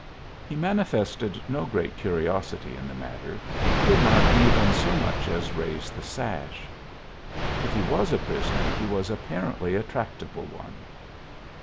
He manifested no great curiosity in the matter, did not even so much as raise the sash. If he was a prisoner he was apparently a tractable one.